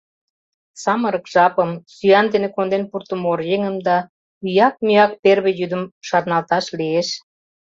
Самырык жапым, сӱан дене конден пуртымо оръеҥым да ӱяк-мӱяк первый йӱдым шарналташ лиеш.